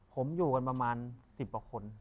ผมอยู่กันประมาณ๑๐กว่าคน